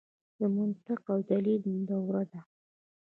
د منطق او دلیل دوره ده.